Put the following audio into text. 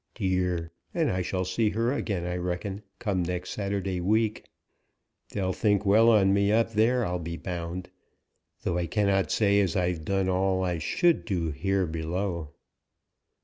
Dear! and I shall see her again, I reckon, come next Saturday week! They'll think well on me, up there, I'll be bound; though I cannot say as I've done all as I should do here below."